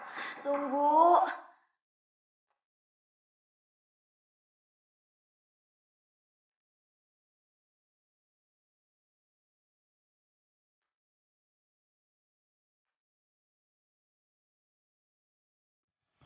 ini kamu di dalam kan